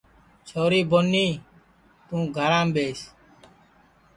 چھوری بونی توں گھر ٻیس